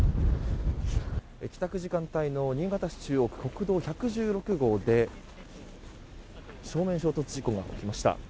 帰宅時間帯の新潟市中央区の国道１１６号で正面衝突事故が起きました。